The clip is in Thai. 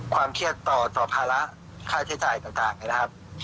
ความเครียดต่อภาระค่าใช้จ่ายต่างเนี่ยนะครับ